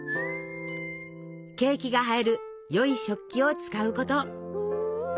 ケーキが映えるよい食器を使うこと。